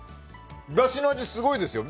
だしの味、すごいですよ。